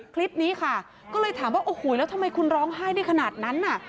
คลิปนี้ค่ะก็เลยถามว่าโอ้โหแล้วทำไมคุณร้องไห้ได้ขนาดนั้นน่ะ